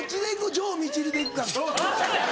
城みちるでいくか。